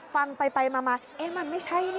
ฟังไปมาเอ๊ะมันไม่ใช่นะ